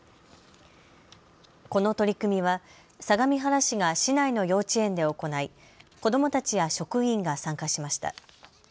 この取り組みは相模原市が市内の幼稚園で行い子どもたちや職員が参加しました。